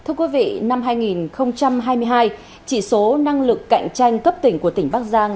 năm hai nghìn hai mươi hai chỉ số năng lực cạnh tranh cấp tỉnh của tỉnh bắc giang